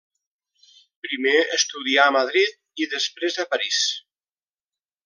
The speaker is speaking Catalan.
Primer estudià a Madrid i després a París.